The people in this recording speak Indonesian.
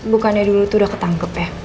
bukannya dulu itu udah ketangkep ya